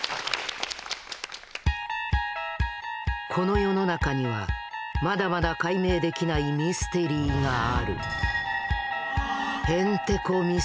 この世の中にはまだまだ解明できないミステリーがある怖い。